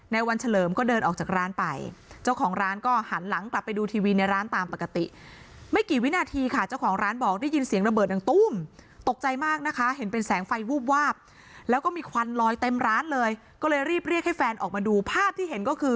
ในวันเฉลิมก็เดินออกจากร้านไปเจ้าของร้านก็หันหลังกลับไปดูทีวีในร้านตามปกติ